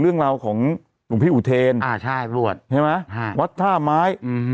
เรื่องราวของหลุงพี่อุเทนอ่าใช่รวดเห็นไหมอ่าวัดท่าไม้อืม